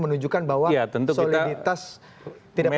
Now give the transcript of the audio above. menunjukkan bahwa soliditas tidak perlu